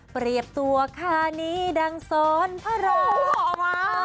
เปรียบตัวคานี้ดังสอนเพราะโอ้โฮหอมมาก